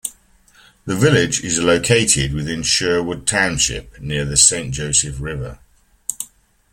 The village is located within Sherwood Township near the Saint Joseph River.